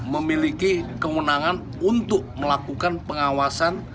memiliki kemenangan untuk melakukan pengawasan